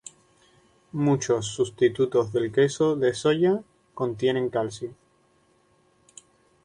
Muchos sustitutos del queso de soya contienen calcio.